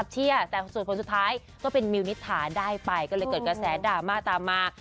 เชื่อแต่ส่วนผลสุดท้ายก็เป็นมิวนิษฐาได้ไปก็เลยเกิดกระแสดราม่าตามมา